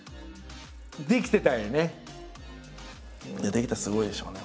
できたらすごいでしょうね